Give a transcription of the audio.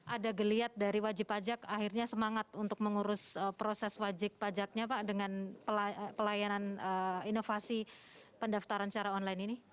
ada geliat dari wajib pajak akhirnya semangat untuk mengurus proses wajib pajaknya pak dengan pelayanan inovasi pendaftaran secara online ini